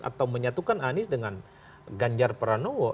atau menyatukan anies dengan ganjar pranowo